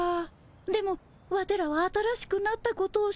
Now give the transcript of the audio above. でもワテらは新しくなったことを知ってる。